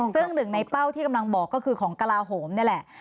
ซึ่งหนึ่งในเป้าที่กำลังบอกก็คือของกระลาโหมนี่แหละ